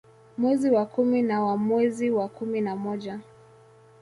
Mwezi wa kumi na wa mwezi wa kumi na moja